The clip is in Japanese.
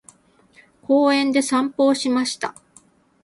公園で散歩をしました。